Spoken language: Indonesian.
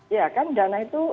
ya kan dana itu